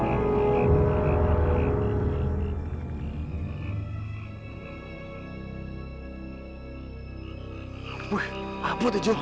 jangan sampai kau mencabut kayu ini